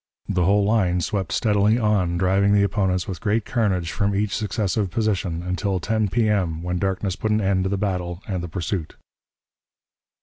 The whole line swept steadily on, driving the opponents with great carnage from each successive position, until 10 P.M., when darkness put an end to the battle and the pursuit.